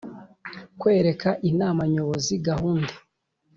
Kwereka Inama Nyobozi gahunda